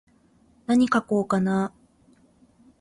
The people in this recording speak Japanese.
なに書こうかなー。